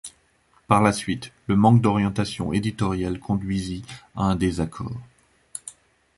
Par la suite, le manque d'orientation éditoriale conduisit à un désaccord.